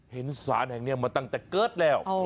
สารแห่งนี้มาตั้งแต่เกิดแล้ว